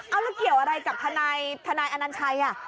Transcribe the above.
เอาแล้วเกี่ยวอะไรกับทนายอนัญชัย